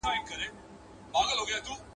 نور ئې نور، عثمان ته هم غورځېدی.